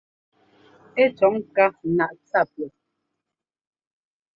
Ɛ́ cɔ̌ ŋká naꞌ tsa pʉ̈ɔt.